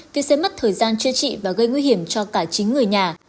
vì sẽ mất thời gian chữa trị và gây nguy hiểm cho cả chính người nhà